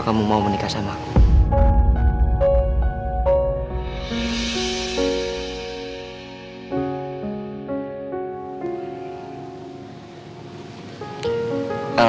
kamu mau menikah sama aku